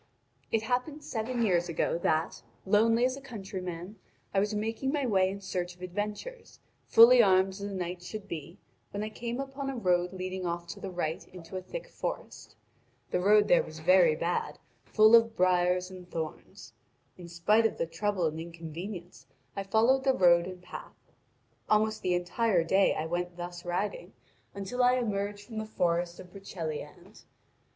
(Vv. 175 268.) "It happened seven years ago that, lonely as a countryman, I was making my way in search of adventures, fully armed as a knight should be, when I came upon a road leading off to the right into a thick forest. The road there was very bad, full of briars and thorns. In spite of the trouble and inconvenience, I followed the road and path. Almost the entire day I went thus riding until I emerged from the forest of Broceliande.